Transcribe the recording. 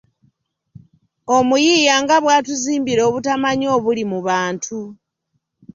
Omuyiiya nga bw’atuzimbira obutamanya obuli mu bantu.